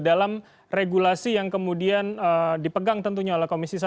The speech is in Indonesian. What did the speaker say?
dalam regulasi yang kemudian dipegang tentunya oleh komisi satu